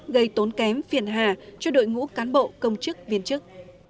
gây tốn kém phiền hà cho đội ngũ cán bộ công chức viên chức